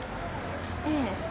ええ。